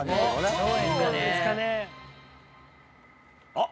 あっ。